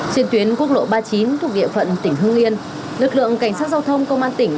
trên tuyến quốc lộ ba mươi chín thuộc địa phận tỉnh hương yên lực lượng cảnh sát giao thông công an tỉnh